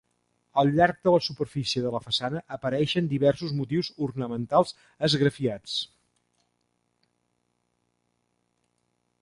Al llarg de la superfície de la façana apareixen diversos motius ornamentals esgrafiats.